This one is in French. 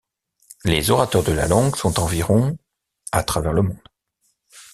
Les orateurs de la langue sont environ à travers le monde.